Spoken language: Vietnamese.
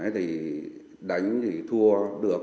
thì đánh thì thua được